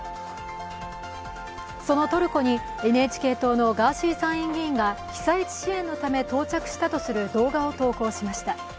そのトルコにＮＨＫ党のガーシー参院議員が被災地支援のため到着したとする動画を投稿しました。